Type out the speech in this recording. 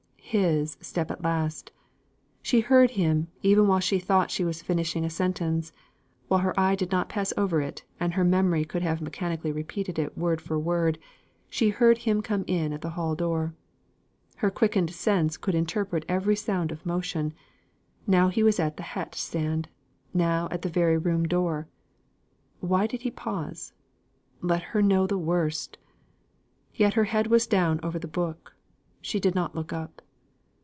His step at last! She heard him, even while she thought she was finishing a sentence; while her eye did pass over it, and her memory could mechanically have repeated it word for word, she heard him come in at the hall door. Her quickened sense could interpret every sound of motion: now he was at the hat stand now at the very room door. Why did he pause? Let her know the worst. Yet her head was down over the book; she did not look up.